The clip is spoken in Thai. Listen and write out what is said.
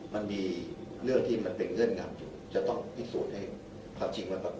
มันมีเรื่องที่มันเป็นเงื่อนกลับอยู่จะต้องพิสูจน์ให้ความจริงมันปรากฏขึ้นมา